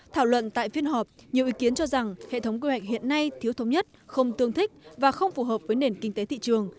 thảo luận tại phiên họp nhiều ý kiến cho rằng hệ thống quy hoạch hiện nay thiếu thống nhất không tương thích và không phù hợp với nền kinh tế thị trường